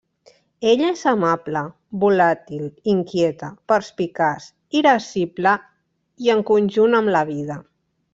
Ella és amable, volàtil, inquieta, perspicaç, irascible i en conjunt amb la vida.